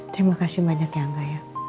terima kasih banyak ya angga ya